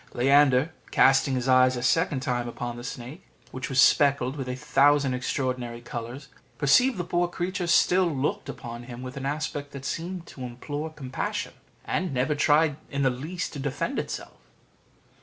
Leander, casting his eyes a second time upon the snake, which was speckled with a thousand extraordinary colours, perceived the poor creature still looked upon him with an aspect that seemed to implore compassion, and never tried in the least to defend itself.